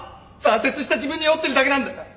挫折した自分に酔ってるだけなんだ！